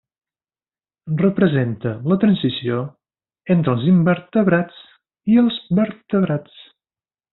Representa la transició entre els invertebrats i els vertebrats.